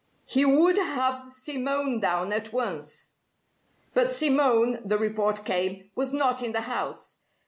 He would have Simone down at once! But Simone the report came was not in the house.